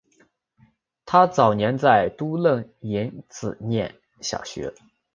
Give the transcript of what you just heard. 他早年在都楞营子念小学。